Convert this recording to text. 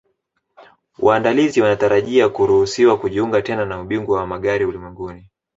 Waandalizi wanatarajia kuruhusiwa kujiunga tena na Ubingwa wa Magari Ulimwenguni